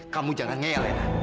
kamu jangan nge alena